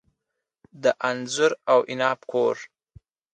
د انځر او عناب کور.